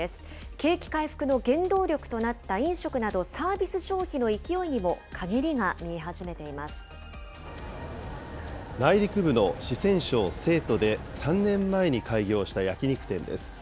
景気回復の原動力となった飲食など、サービス消費の勢いにもかげ内陸部の四川省成都で、３年前に開業した焼き肉店です。